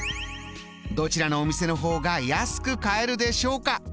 どちらのお店の方が安く買えるでしょうか？